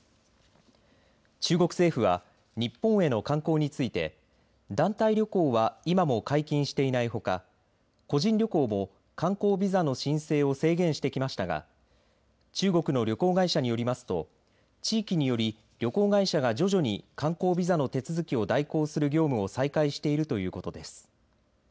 中国政府は日本への観光について団体旅行は今も解禁していないほか個人旅行も観光ビザの申請を制限してきましたが中国の旅行会社によりますと地域により旅行会社が徐々に観光ビザの手続きを代行する業務を再開しているということです。